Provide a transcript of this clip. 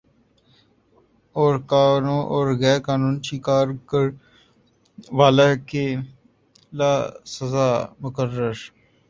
اورقانو اور غیر قانون شکار کر والہ کے ل سزا مقرر کر